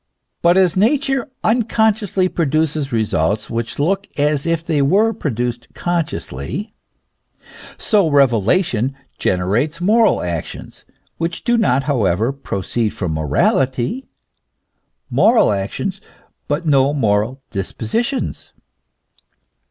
But as Nature " unconsciously produces results which look as if they were produced consciously," so revelation generates moral actions, which do not, however, proceed from morality ; moral actions, but no moral dispositions.